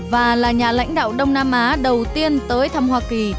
và là nhà lãnh đạo đông nam á đầu tiên tới thăm hoa kỳ